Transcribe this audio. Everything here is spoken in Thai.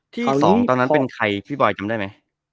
ข้อสองตอนนั้นเป็นใครพี่บอยจำได้ไหม